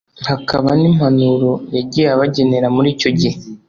hakaba n’impanuro yagiye abagenera muri icyo gihe